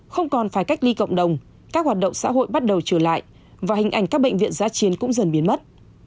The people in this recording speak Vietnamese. không còn phải cách ly cộng đồng các hoạt động xã hội bắt đầu trở lại và hình ảnh các bệnh viện giá chiến cũng dần biến mất